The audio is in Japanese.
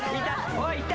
おっいった。